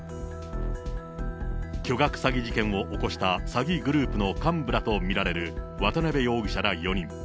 巨額詐欺事件を起こした詐欺グループの幹部らと見られる渡辺容疑者ら４人。